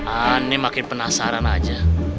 ini makin penasaran aja